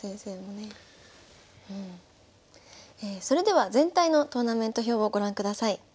それでは全体のトーナメント表をご覧ください。